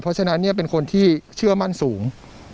เพราะฉะนั้นเป็นคนที่เชื่อมั่นสูง